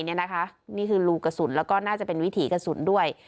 นี่คือรูกระสุนแล้วก็น่าจะเป็นวิถีกระสุนด้วย